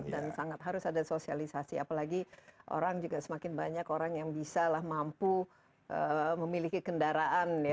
dan sangat harus ada sosialisasi apalagi orang juga semakin banyak orang yang bisa lah mampu memiliki kendaraan ya